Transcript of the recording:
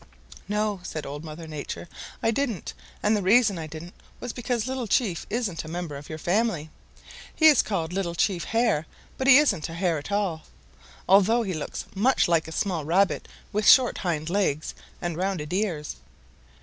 "No," said Old Mother Nature, "I didn't, and the reason I didn't was because Little Chief isn't a member of your family. He is called Little Chief Hare, but he isn't a Hare at all, although he looks much like a small Rabbit with short hind legs and rounded ears.